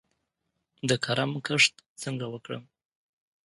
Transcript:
د کرم کښت څنګه وکړم؟